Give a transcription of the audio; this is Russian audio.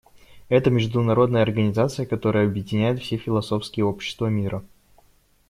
Это международная организация, которая объединяет все философские общества мира.